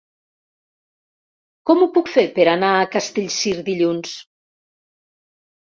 Com ho puc fer per anar a Castellcir dilluns?